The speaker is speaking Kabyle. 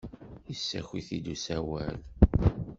Yessaki-k-id usawal?